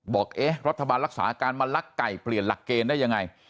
บอกเอ๊ะรัฐบาลรักษาการมาลักไก่เปลี่ยนหลักเกณฑ์ได้ยังไง